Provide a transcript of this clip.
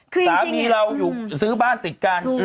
สามีเราอยู่ซื้อบ้านติดกัน